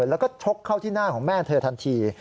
แล้วก็ชกเข้าที่หน้าของแม่เธอทันที